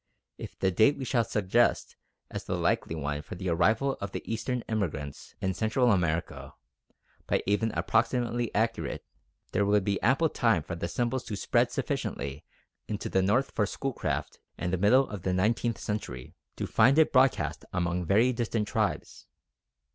If the date which we shall suggest as the likely one for the arrival of the Eastern immigrants in Central America be even approximately accurate, there would be ample time for the symbol to spread sufficiently into the north for Schoolcraft in the middle of the nineteenth century to find it broadcast among very distant tribes.